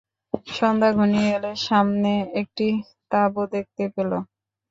সন্ধ্যা ঘনিয়ে এলে সামনে একটি তাঁবু দেখতে পেল।